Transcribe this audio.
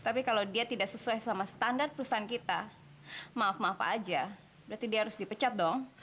tapi kalau dia tidak sesuai sama standar perusahaan kita maaf maaf aja berarti dia harus dipecat dong